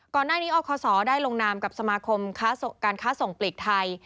ก่อนหน้านี้อคศได้ลงนามกับสมาคมการค้าส่งปลีกไทย